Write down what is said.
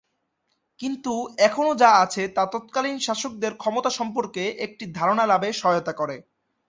কিন্তু এখনো যা আছে তা তৎকালীন শাসকদের ক্ষমতা সম্পর্কে একটি ধারণা লাভে সহায়তা করে।